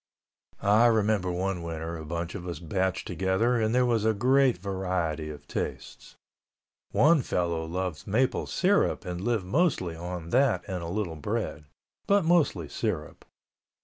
I remember one winter a bunch of us batched together and there was a great variety of tastes. One fellow loved maple syrup and lived mostly on that and a little bread ... but mostly syrup.